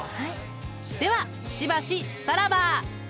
ではしばしさらば。